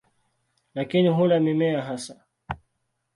Lakini hula mimea hasa.